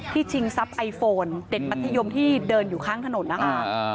ชิงทรัพย์ไอโฟนเด็กมัธยมที่เดินอยู่ข้างถนนนะคะ